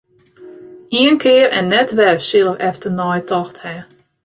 Ien kear en net wer sil er efternei tocht hawwe.